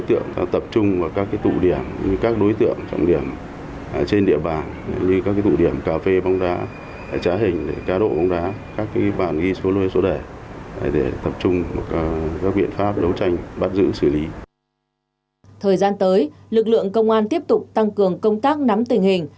thời gian tới lực lượng công an tiếp tục tăng cường công tác nắm tình hình